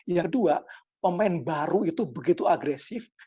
yang kedua pemain baru itu begitu agresif